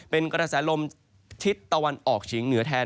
เป็นกระดัสสะลมทิ้ดตะวันออกฉีในเหนือแทน